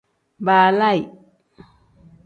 Balaayi.